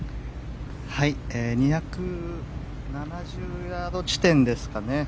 ２７０ヤード地点ですね。